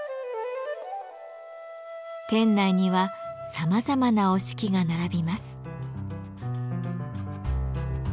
店内にはさまざまな折敷が並びます。